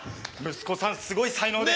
息子さんすごい才能で。